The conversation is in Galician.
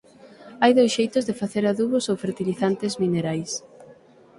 Hai dous xeitos de facer adubos ou fertilizantes minerais.